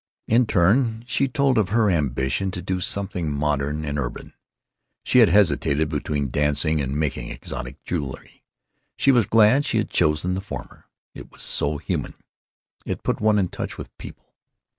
In turn she told of her ambition to do something modern and urban. She had hesitated between dancing and making exotic jewelry; she was glad she had chosen the former; it was so human; it put one in touch with People....